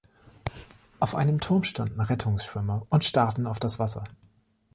Auf einem Turm standen Rettungsschwimmer und starrten auf das Wasser.